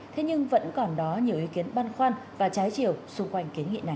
thế nhưng vẫn còn đó nhiều ý kiến băn khoăn và trái chiều xung quanh kiến nghị này